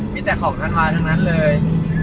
มีแต่ของราคาทั้งนั้นเลย